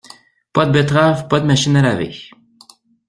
Pas de betterave, pas de machine à laver.